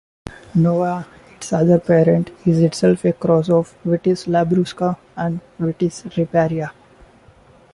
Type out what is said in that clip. Noah, its other parent, is itself a cross of "Vitis labrusca" and "Vitis riparia".